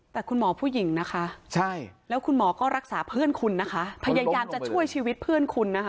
แต่คุณหมอผู้หญิงนะคะใช่แล้วคุณหมอก็รักษาเพื่อนคุณนะคะพยายามจะช่วยชีวิตเพื่อนคุณนะคะ